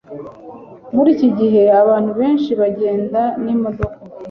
Muri iki gihe abantu benshi bagenda n'imodoka